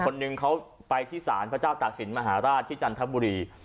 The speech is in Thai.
รุ่งคนนึงเเค้าไปที่ศาลพระเจ้าตากศิลป์ที่ทัลทัพบุรี